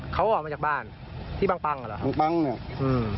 เขาออกมาจากบ้านที่ปั้งปั้งอ่ะเหรอปั้งเนี่ยอืม